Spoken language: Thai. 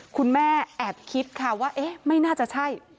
คุณแม่แอบคิดค่ะว่าเอ๊ะไม่น่าจะใช่